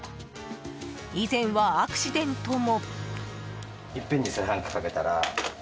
以前はアクシデントも。